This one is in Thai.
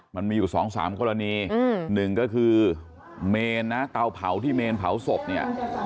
มันมีอยู่สองสามกรณีหนึ่งก็คือเมนนะเตาเผาที่เมนเผาศพเนี่ย